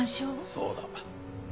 そうだ。